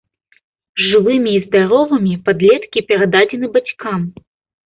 Жывымі і здаровымі падлеткі перададзены бацькам.